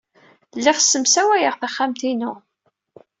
Lliɣ ssemsawayeɣ taxxamt-inu.